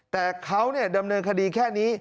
แต่เขาดำเนินคดีแค่นี้